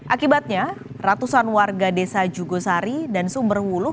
akibatnya ratusan warga desa jugosari dan sumber wulu